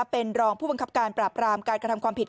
เป็นรองผู้บังคับการปราบรามการกระทำความผิด